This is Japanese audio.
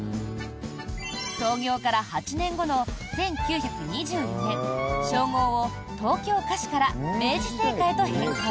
創業から８年後の１９２４年商号を東京菓子から明治製菓へと変更。